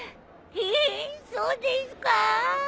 ええそうですか？